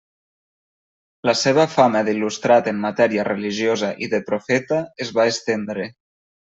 La seva fama d'il·lustrat en matèria religiosa i de profeta es va estendre.